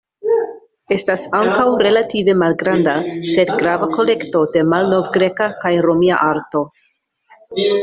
Estas ankaŭ relative malgranda sed grava kolekto de malnovgreka kaj romia arto.